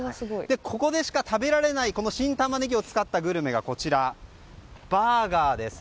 ここでしか食べられない新タマネギを使ったグルメがバーガーです。